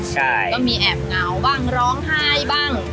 ใช่ก็มีแอบเหงาบ้างร้องไห้บ้าง